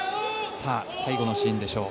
最後のシーンでしょう。